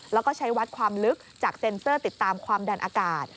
แล้วก็ใช้วัดความลึกจากเซ็นเซอร์ติดตามความดันอากาศ